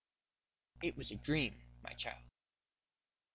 "It was a dream, my child."